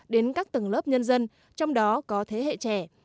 đến các tầng lớp nhân dân trong đó có thế hệ trẻ